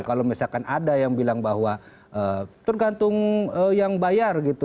kalau misalkan ada yang bilang bahwa tergantung yang bayar gitu